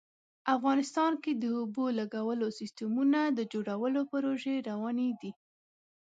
افغانستان کې د اوبو لګولو سیسټمونو د جوړولو پروژې روانې دي